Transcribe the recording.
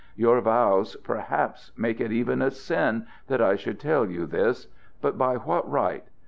Your vows perhaps make it even a sin that I should tell you this. But by what right?